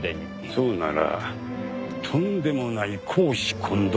そうならとんでもない公私混同だね。